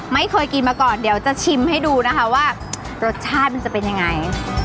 ไม่เคยกินมาก่อนเดี๋ยวจะชิมให้ดูนะคะว่ารสชาติมันจะเป็นยังไง